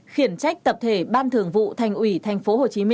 khiển trách tập thể ban thường vụ thành ủy tp hcm